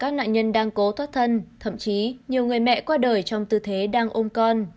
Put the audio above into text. các nạn nhân đang cố thoát thân thậm chí nhiều người mẹ qua đời trong tư thế đang ôm con